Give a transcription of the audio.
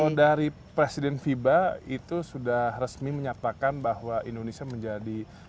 kalau dari presiden fiba itu sudah resmi menyatakan bahwa indonesia menjadi